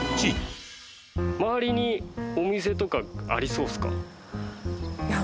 周りにお店とかありそうですか？